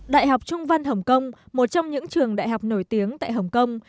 đại học trung văn hồng kông một trong những trường đại học nổi tiếng tại hồng kông